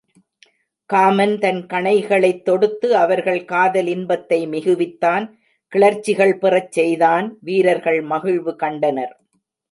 Common தன் கணைகளைத் தொடுத்து அவர்கள் காதல் இன்பத்தை மிகுவித்தான் கிளர்ச்சிகள் பெறச் செய்தான் வீரர்கள் மகிழ்வு கண்டனர்.